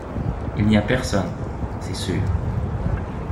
Il n’y a personne, c’est sûr.